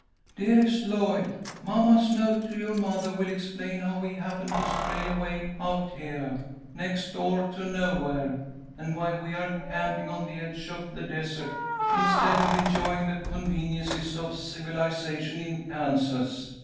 "'DEAREST LLOYD: Mamma's note to your mother will explain how we happened to stray away out here, next door to nowhere, and why we are camping on the edge of the desert instead of enjoying the conveniences of civilization in Kansas.